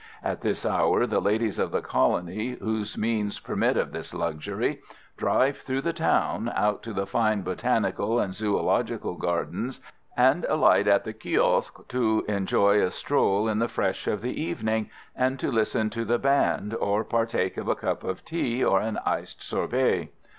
At this hour the ladies of the colony, whose means permit of this luxury, drive through the town, out to the fine botanical and zoological gardens, and alight at the Kiosque, to enjoy a stroll in the fresh of the evening, and to listen to the band or partake of a cup of tea or an iced sorbet.